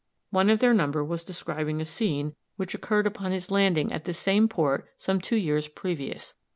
One of their number was describing a scene which occurred upon his landing at this same port some two years previous.